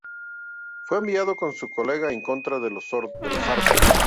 Fue enviado con su colega en contra de los sardos.